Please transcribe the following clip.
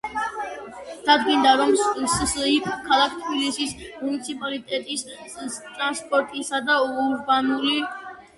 დადგინდა რომ სსიპ ქალაქ თბილისის მუნიციპალიტეტის ტრანსპორტისა და ურბანული ..